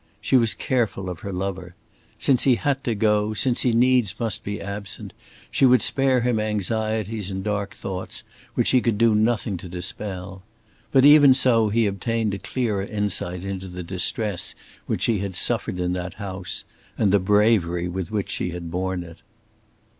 She was careful of her lover. Since he had to go, since he needs must be absent, she would spare him anxieties and dark thoughts which he could do nothing to dispel. But even so, he obtained a clearer insight into the distress which she had suffered in that house, and the bravery with which she had borne it.